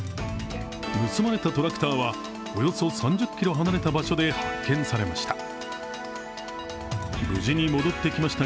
盗まれたトラクターはおよそ３０ｋｍ離れた場所で発見されました。